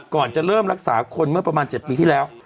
ก่อนจะเริ่มรักษาคนเมื่อประมาณ๗ปีที่แล้ว